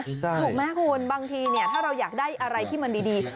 ถูกไหมคุณบางทีเนี่ยถ้าเราอยากได้อะไรที่มันดี